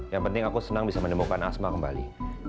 yang penting aku senang bisa menemukan asma kembali